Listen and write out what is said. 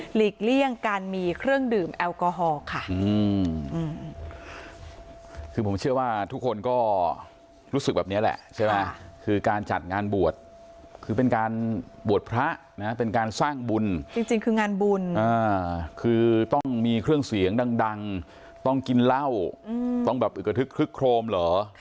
หลีกเลี่ยงการมีเครื่องดื่มแอลกอฮอล์